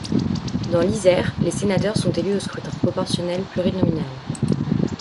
Dans l'Isère, les sénateurs sont élus au scrutin proportionnel plurinominal.